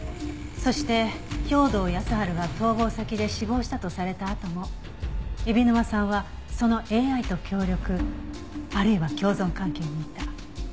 そして兵働耕春が逃亡先で死亡したとされたあとも海老沼さんはそのＡＩと協力あるいは共存関係にいた。